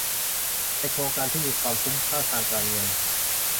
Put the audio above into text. ในโครงการที่มีความคุ้มค่าทางการเงิน